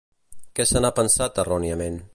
Què se n'ha pensat erròniament?